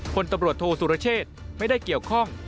คนตำรวจโทษสุรเชษไม่ได้เกี่ยวข้อง